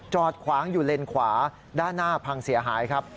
จอดขวางอยู่เลนขวาด้านหน้าพังเสียหายครับ